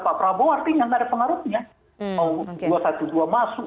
pak prabowo artinya nggak ada pengaruhnya mau dua ratus dua belas masuk